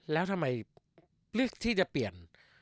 แล้วทำไมเลือกที่จะเปลี่ยน